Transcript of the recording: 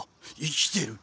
生きてる！